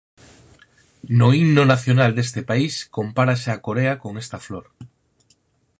No himno nacional deste país compárase a Corea con esta flor.